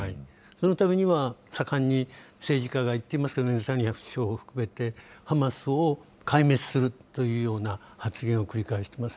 そのためには盛んに政治家が言っていますけれども、ネタニヤフ首相を含めて、ハマスを壊滅させるというような発言を繰り返しています。